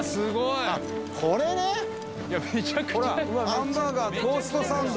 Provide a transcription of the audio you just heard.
ハンバーガー、トーストサンド。